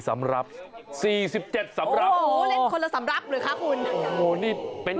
แม่